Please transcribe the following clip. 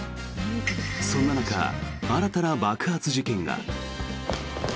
そんな中、新たな爆発事件が！